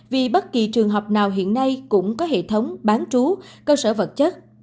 vì bất kỳ trường hợp nào hiện nay cũng có hệ thống bán trú cơ sở vật chất